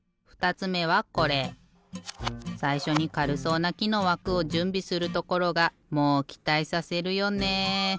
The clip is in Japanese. さいしょにかるそうなきのわくをじゅんびするところがもうきたいさせるよね。